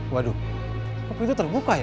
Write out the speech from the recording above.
waduh kopi itu terbuka ya